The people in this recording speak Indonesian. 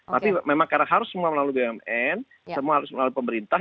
tapi memang karena harus semua melalui bumn semua harus melalui pemerintah